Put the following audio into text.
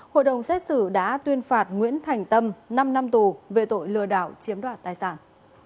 hội đồng xét xử đã tuyên phạt nguyễn thành tâm năm năm tù về tội lừa đảo chiếm đoạt tài sản